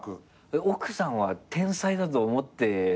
奥さんは天才だと思ってるんすかね？